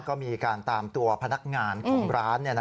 ก็มีการตามตัวพนักงานของร้าน